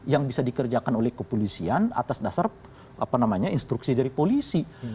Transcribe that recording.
yang bisa dikerjakan oleh kepolisian atas dasar instruksi dari polisi